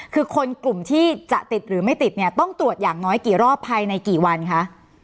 คือคนกลุ่มที่จะติดหรือไม่ติดเนี่ยต้องตรวจอย่างน้อยกี่รอบภายในกี่วันคะ